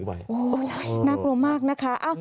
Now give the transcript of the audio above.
ใช่น่ากลัวมากนะคะ